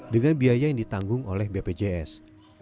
dengan biaya yang ditanggung oleh bpjs